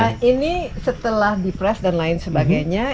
nah ini setelah di press dan lain sebagainya